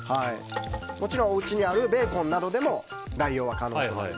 もちろんおうちにあるベーコンなどでも代用は可能です。